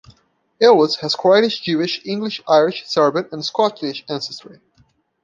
Elwes has Croatian Jewish, English, Irish, Serbian, and Scottish ancestry.